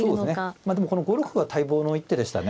まあでもこの５六歩は待望の一手でしたね。